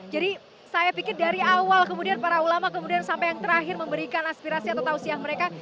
jadi saya pikir dari awal kemudian para ulama kemudian sampai yang terakhir memberikan aspirasi atau tausiah mereka